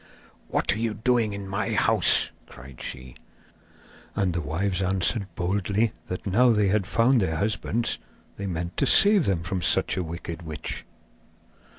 'What are you doing in my house?' cried she. And the wives answered boldly that now they had found their husbands they meant to save them from such a wicked witch.